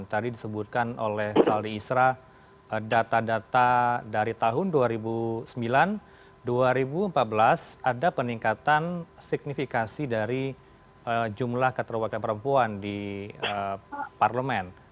tadi disebutkan oleh saldi isra data data dari tahun dua ribu sembilan dua ribu empat belas ada peningkatan signifikan dari jumlah keterwakilan perempuan di parlemen